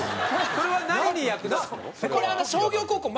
それは何に役立つの？